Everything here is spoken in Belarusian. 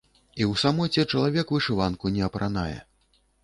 І ў самоце чалавек вышыванку не апранае.